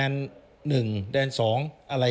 มีสิ่งอัย